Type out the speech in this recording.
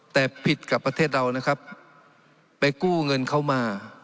แต่ผิดกับประเทศเรานะครับไปกู้เงินเข้ามา